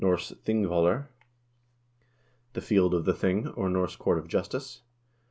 ping v0llr, the field of the ping or Norse court of justice. N.